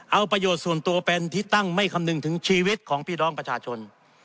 เอาประโยชน์ส่วนตัวเป็นที่ตั้งไม่คำนึงถึงชีวิตของพี่น้องประชาชน